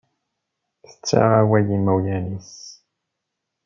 Tettaɣ awal i yimawlan-is.